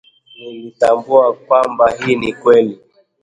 Nilitambua kwamba hii ni kweli